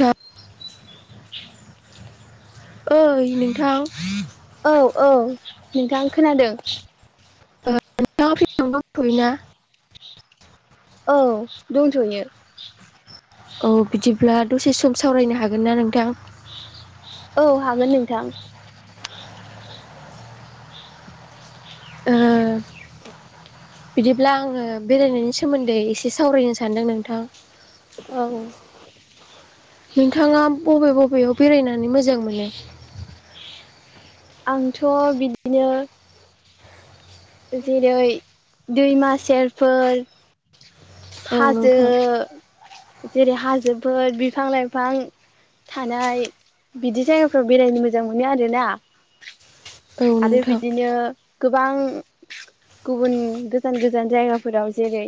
थ ओइ नोंथां औ औ नोंथां खोनादों ओ नोंथाङा फ्रिनो दथ'यो ना औ दंथ'यो औ बिदिब्ला दसे सम सावरायनो हागोन ना नोंथां औ हागोन नोंथां ओ बिदिब्ला आङो बेरायनायनि सोमोन्दै एसे सावरायनो सानदों नोंथां औ नोंथाङा बबे बबेयाव बेरायनानै मोजां मोनो आंथ' बिदिनो जेरै दैमा सेरफोर औ हाजो नोंथां जेरै हाजोफोर बिफां लाइफां थानाय बिदि जायगाफ्राव बेरायनो मोजां मोनो आरोना औ आरो नोंथां बिदिनो गोबां गुबुन गोजान गोजान जायगाफोराव जेरै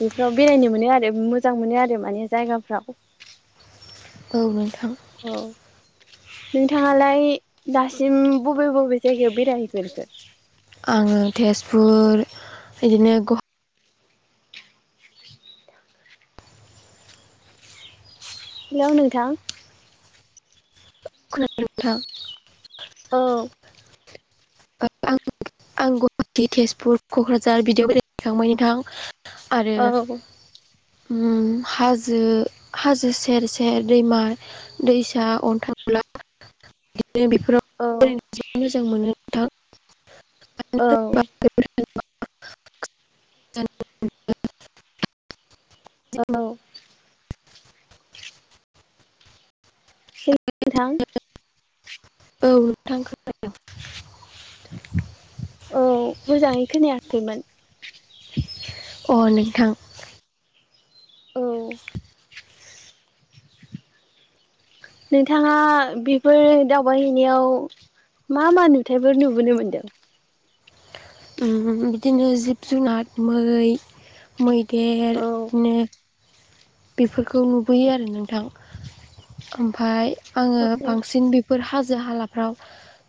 बेफोराव बेरायनो मोनो आरो मोजां मोनो आरो माने जायगाफ्राव औ नोंथां औ नोंथाङालाय दासिम बबे बबे जायगायाव बेरायहैग्रोखो आङो तेजपुर बिदिनो ग हेल' नोंथां गुवाहाटी नोंथां औ आं आं गुवाहाटी तेजपुर क'क्राझार बिदियाव बेरायखांबाय नोंथां आरो औ उम हाजो हाजो सेर सेर दैमा दैसा अन्थामला बिदिनो बेफोराव औ बेरायनो ज मोजां मोनो औ [unintelligible] [unintelligible] हेलौ [unintelligible] नोंथां औ नोंथां खोनादों औ मोजाङै खोनायाखैमोन अ नोंथां औ नोंथाङा बेफोर दावबायहैनायाव मा मा नुथायफोर नुबोनो मोनदों बिदिनो जिब जुनार मै मैदेर औ बिदिनो बेफोरखौ नुबोयो आरो नोंथां ओमफाय आङो बांसिन बेफोर हाजो हालाफ्राव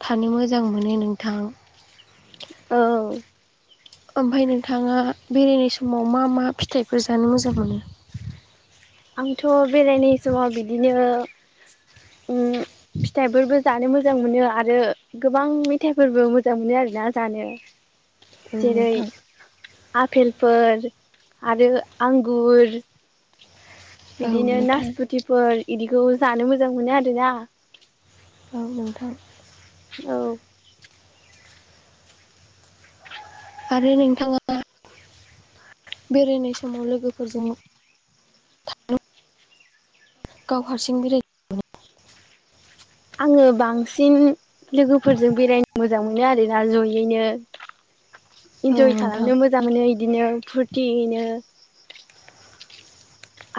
थानो मोजां मोनो नोंथां औ ओमफ्राय नोंथाङा बेरायनाय समाव मा मा फिथाइफोर जानो मोजां मोनो आंथ' बेरायनाय समाव बिदिनो उम [inaudible] फिथाइफोरबो जानो मोजां मोनो आरो गोबां मेथाइफोरबो मोजां मोनो आरोना जानो औ जेरै नोंथां आपेलफोर आरो आंगुर औ बिदिनो नोंथां नासपुथिफोर इदिखौ जानो मोजां मोनो आरोना औ नोंथां औ आरो नोंथाङा बेरायनाय समाव लोगोफोरजों गाव हारसिं बेरायो आङो बांसिन लोगोफोरजों बेरायनो मोजां मोनो आरोना जयैनो औ इन्जय नोंथां खालामनो मोजां मोनो इदिनो फुरथियैनो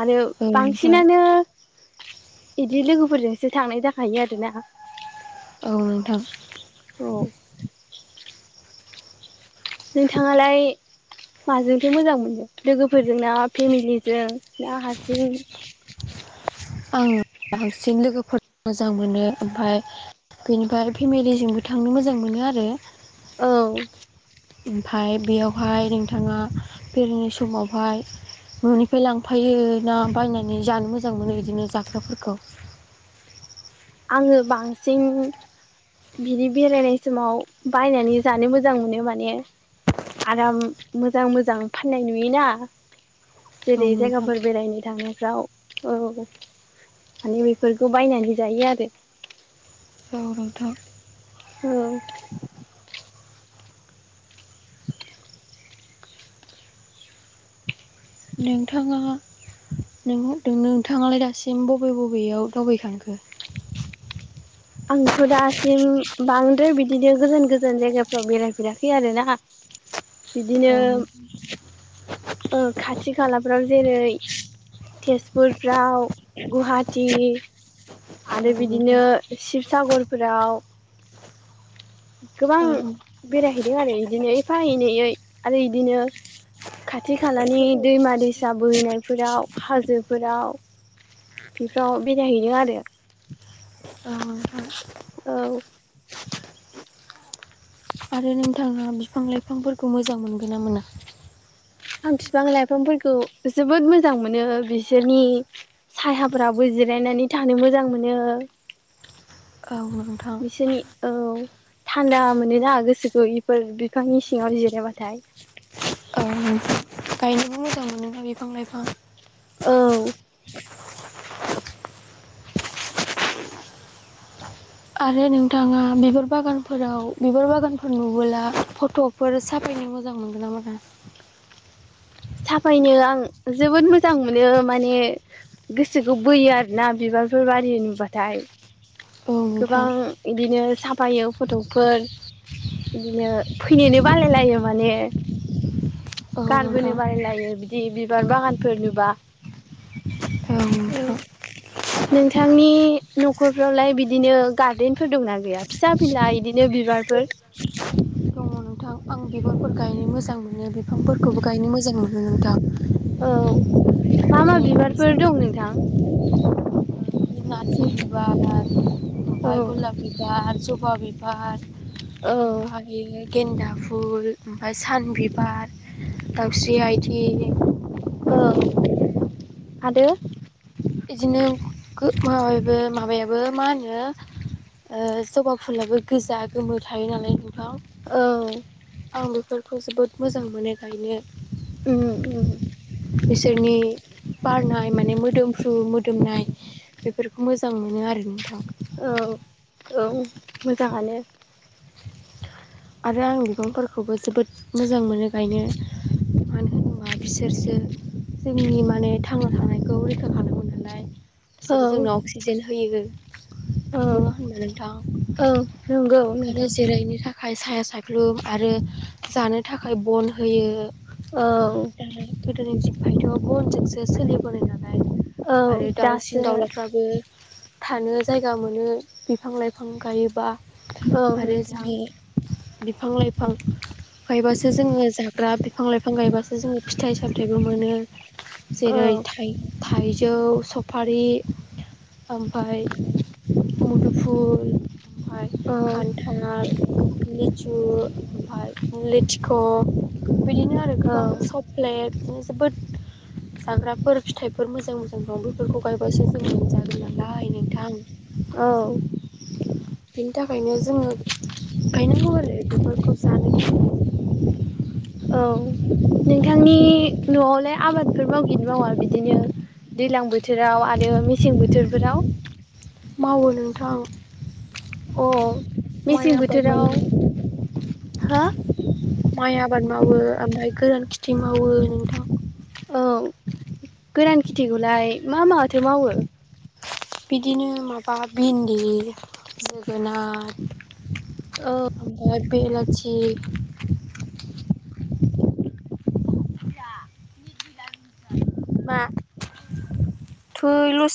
आरो औ नोंथां बांसिनानो बिदि लोगोफोरजोंसो थांनाय जाखायो आरोना औ नोंथां औ नोंथाङालाय माजोंथो मोजां मोनो लोगोफोरजों ना फेमिलिजों ना हारसिं आं बांसिन लोगोफोर मोजां मोनो ओमफाय बेनिफ्राय फेमिलिजोंबो थांनो मोजां मोनो आरो औ ओमफाय बेयावहाय नोंथाङा बेरायनाय समावहाय न'निफ्राय लांफायो ना बायनानै जानो मोजां मोनो बिदिनो जाग्राफोरखौ आङो बांसिन बिदि बेरायनाय समाव बायनानै जानो मोजां मोनो माने आराम मोजां मोजां फाननाय नुयोना औ जेरै नोंथां जायगाफोर बेरायनो थांनायफ्राव औ माने बेफोरखौ बायनानै जायो आरो औ नोंथां औ नोंथाङा नोंथाङालाय दासिम बबे बबेयाव दावबायखांखो आंथ' दासिम बांद्राय बिदिनो गोजान गोजान जायगाफ्राव बेरायफेराखै आर ना बिदिनो औ खाथि खालाफ्राव जेरै तेजपुरफ्राव, गुवाहाटि आरो नोंथां बिदिनो शिबसागरफोराव गोबां औ बेरायहैदों आरो इदिनो एफाएनैयै आरो इदिनो खाथि खालानि दैमा दैसा बोहैनायफोराव हाजोफोराव बेफोराव बेरायहैनो आरो। औ नोंथां औ आरो नोंथांङा बिफां लाइफांफोरखौ मोजां मोनगोनना मोना? आं फिफां लाइफांफोरखौ जोबोद मोजां मोनो बिसोरनि सायाफोराबो जिरायनानै थानो मोजां मोनो औ नोंथां। बिसोरनि औ थान्दा मोनोना गोसोखौ बेफोर बिफांनि सिंङाव जिरायाबाथाय। औ नोंथां। गायनोबो मोजां मोनोना बिफां लाइफां औ। आरो नोंथांङा बिबार बागानफोराव बिबार बागानफोर नुबोला फट' फोर साफायनो मोजां मोनगोन ना मोना? साफायनो आं जोबोद मोजां मोनो माने गोसोखौ बोयो आरोना बिबारफोर बारि नुबाथाय औ नोंथां गोबां इदिनो साफायो फट'फोर इदिनो फैनो बालायलायो माने। औ नोंथां। यो बिदि बिबार बागानफोर नुबा। औ नोंथां। नोंथांनि न'खरफ्रावलाय बिदिनो गार्देनफोर दंना गैया फिसा फिला इदिनो बिबारफोर? दङ नोंथां। आं बिबारफोर गायनो मोजां मोनो बिफांफोरखौबो गायनो मोजां मोनो नोंथां। औ मा मा माने बिबारफोर दं नोंथां? नारजि बिबार आरो औ। बिबार जबा, बिबार औ ओमफाय गेन्दा फुल ओमफाय सान बिबार, दाउस्रि आइथिं औ आरो इदिनो माबेबो माबायाबो मा होनो ओ जबा फुलबो गोजा गोमो थायो नालाय नोंथां। औ। आं बेफोरखौ जोबोद मोजां मोनो गायनो। उम उम। बिसोरनि बारनाय माने मोदोमफ्रु मोदोमनाय। बेफोरखौ मोजां मोनो आरो नोंथां। औ औ मोजांङानो। आरो आं बिफांफोरखौबो जोबोद मोजां मोनो गायनो। मानो होनोबा बिसोरसो जोंनि माने थांना थानायखौ रैखा खालामो नालाय औ बिसोरो जोंनो अक्सिजेन होयो। औ नंङा होनबा नोंथां? औ नंगौ आरो नोंथां जिरायनो थाखाय थाखाय साया सायाख्लुम आरो जानो थाखाय बन होयो औ दा गोदोनि [unintelligible] फायथ' बनजोंसो सोलिबोनाय नालाय औ आरो दासो दाउसिन दाउलाफ्राबो थानो जायगा मोनो बिफां लाइफां गायोबा आरो जोङो औ बिफां लाइफां। गायबासो जोङो जाग्रा बिफां लाइफां गायबासो जोङो फिथाइ सामथायबो मोनो। औ जेरै थाइ थाइजौ सफारि ओमफाय मुदुफुल ओमफाय औ खान्थाल लिथु ओमफाय लेथिख' बिदिनो आरो गोबां औ सम नाया जोबोद जाग्राफोर फिथाइफोर मोजां मोजां दं बेफोरखौ गायबासो जों मोनजागोन नालाय नोंथां। औ। बेनि थाखायनो जोंङो गायनांगौ आरो बिफोरखौ जानो औ नोंथांनि न'आवलाय आबादफोर मावगिना मावा बिदिनो दैज्लां बोथोराव आरो मेसें बोथोरफोराव मावो नोंथां अ माय मेसें आबाद बोथोराव मावो हा माइ आबाद मावो ओमफ्राय गोरान खिथि मावो नोंथां औ गोरान खेथिखौलाय मा माथो मावो? बिदिनो माबा भिन्दि जोगोनार औ आमफाय बेलाथि मा थै लस